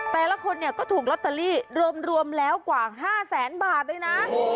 แต่ละคนเนี่ยก็ถูกลอตเตอรี่รวมแล้วกว่า๕แสนบาทเลยนะ